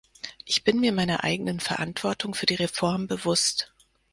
Ich bin mir meiner eigenen Verantwortung für die Reform bewusst.